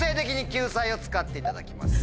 を使っていただきます。